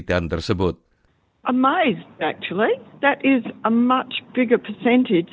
yang disebut groovy grannies